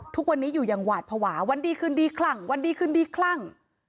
ทุกวันนี้อยู่อย่างหวาดภาวะวันดีคืนดีคลั่งวันดีคืนดีคลั่ง